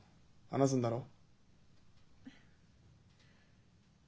話すんだろ？